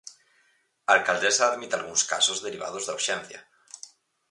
A alcaldesa admite algúns casos derivados da urxencia.